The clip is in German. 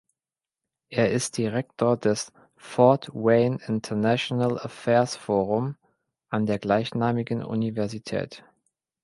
Er ist Direktor des "Fort Wayne International Affairs Forum" an der gleichnamigen Universität.